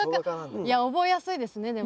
いや覚えやすいですねでも。